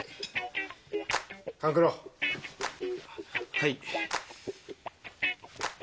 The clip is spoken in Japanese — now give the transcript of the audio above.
はい。